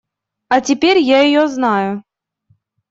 А теперь я ее знаю.